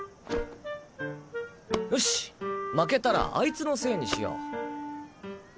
よし負けたらアイツのせいにしよう。